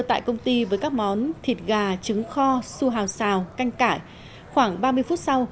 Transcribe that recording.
tại công ty với các món thịt gà trứng kho xu hào xào canh cải khoảng ba mươi phút sau